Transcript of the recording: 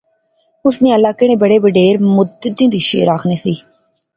اس نے علاقے نے بڑے بڈھیر مدتیں تھیں شعر آخنے سے